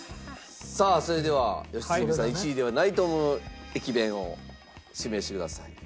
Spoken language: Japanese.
さあそれでは良純さん１位ではないと思う駅弁を指名してください。